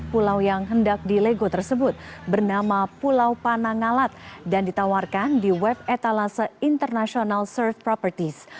pulau yang hendak dilego tersebut bernama pulau panangalat dan ditawarkan di web etalase international surf properties